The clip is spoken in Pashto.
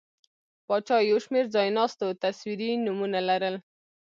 پاچا یو شمېر ځایناستو تصویري نومونه لرل.